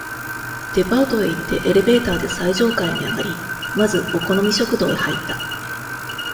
デパートへ行って、エレベーターで最上階にあがり、まず、お好み食堂へ入った。